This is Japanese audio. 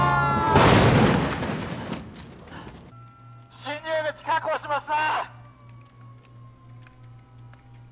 侵入口確保しました！